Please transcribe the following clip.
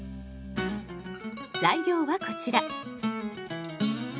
材料はこちら。